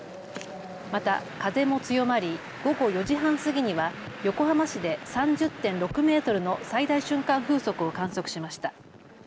また風も強まり午後４時半過ぎには横浜市で３０．６メートルの最大瞬間風速を観測しました。